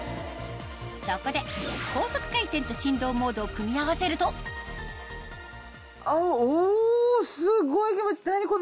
そこで高速回転と振動モードを組み合わせるとおすっごい気持ちいい。